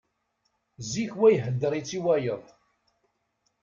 Zik wa ihedder-itt i wayeḍ.